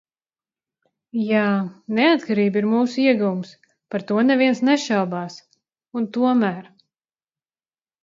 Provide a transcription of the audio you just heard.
Jā – neatkarība ir mūsu ieguvums. Par to neviens nešaubās. Un tomēr...